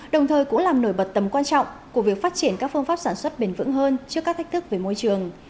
đồng thời cũng làm nổi bật tầm quan trọng của việc phát triển các phương pháp sản xuất bền vững hơn trước các thách thức về môi trường